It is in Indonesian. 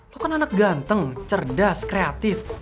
lo kan anak ganteng cerdas kreatif